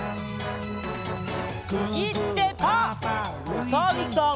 おさるさん。